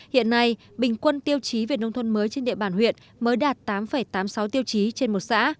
hiện nay bình quân tiêu chí về nông thôn mới trên địa bàn huyện mới đạt tám tám mươi sáu tiêu chí trên một xã